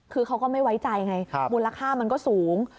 คือเขาก็ไม่ไว้ใจไงมูลค่ามันก็สูง